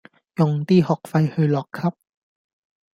用啲學費去落 Club